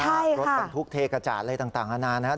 ใช่ค่ะรถบรรทุกเทกระจาดอะไรต่างอาณานะฮะ